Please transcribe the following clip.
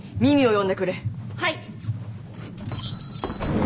はい！